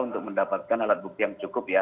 untuk mendapatkan alat bukti yang cukup ya